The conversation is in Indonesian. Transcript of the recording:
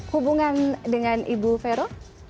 hubungan dengan ibu vero